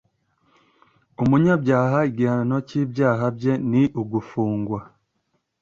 umunyabyaha igihano cy ibyaha bye ni ugufungwa